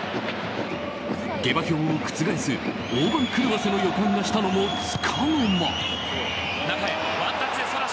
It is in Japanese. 下馬評を覆す、大番狂わせの予感がしたのも束の間。